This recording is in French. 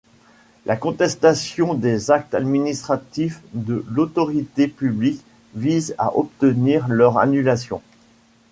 La contestation des actes administratifs de l'autorité publique vise à obtenir leur annulation.